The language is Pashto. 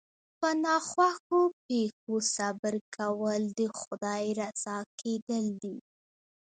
په ناخوښو پېښو صبر کول د خدای رضا کېدل دي.